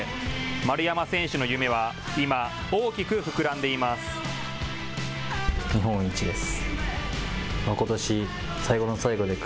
丸山選手の夢は今、大きく膨らんでいます。